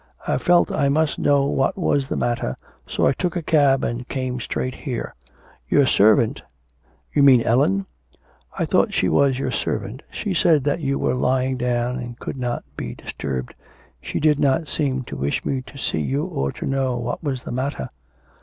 I felt I must know what was the matter, so I took a cab and came straight here. Your servant ' 'You mean Ellen.' 'I thought she was your servant, she said that you were lying down and could not be disturbed. She did not seem to wish me to see you or to know what was the matter.'